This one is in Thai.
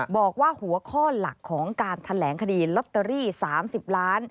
บอกว่าหัวข้อหลักของการแถลงคดีลอตเตอรี่๓๐ล้าน